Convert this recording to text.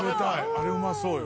あれうまそうよ。